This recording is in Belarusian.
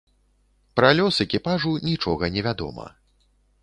Пра лёс экіпажу нічога невядома.